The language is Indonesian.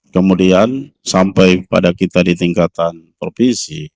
kemudian sampai pada kita di tingkatan provinsi